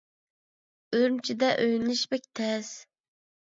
ئۈرۈمچىدە ئۆيلىنىش بەك تەس.